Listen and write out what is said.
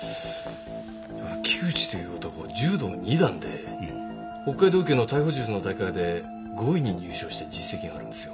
木内という男柔道二段で北海道警の逮捕術の大会で５位に入賞した実績があるんですよ